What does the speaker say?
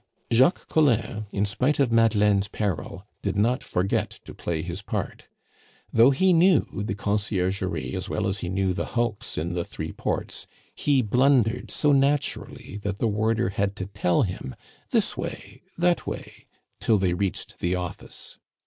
Jacques Collin, in spite of Madeleine's peril, did not forget to play his part. Though he knew the Conciergerie as well as he knew the hulks in the three ports, he blundered so naturally that the warder had to tell him, "This way, that way," till they reached the office.